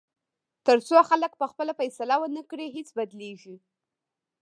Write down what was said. تر څو خلک پخپله فیصله ونه کړي، هیڅ بدلېږي.